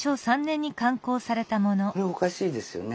これおかしいですよね。